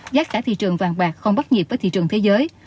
giá cả thị trường vàng bạc không bắt nhịp với thị trường thế giới